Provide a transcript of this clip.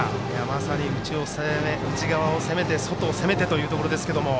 まさに内側を攻めて外も攻めてというところですが。